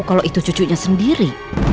kalau itu cucunya sendiri